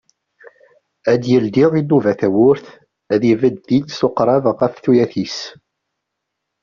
Ad d-yeldi inuba tawwurt ad ibed din s uqrab ɣef tuyat-is.